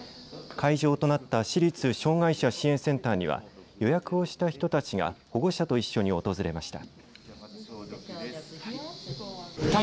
会場となった市立障害者支援センターには、予約をした人たちが保護者と一緒に訪れました。